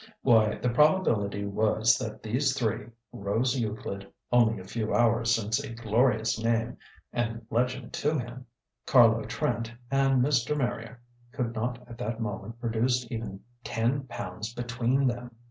Why, the probability was that these three Rose Euclid (only a few hours since a glorious name and legend to him), Carlo Trent, and Mr. Marrier could not at that moment produce even ten pounds between them!